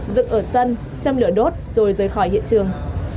dựng ở sân châm châm lửa đốt rồi rời khỏi hiện trường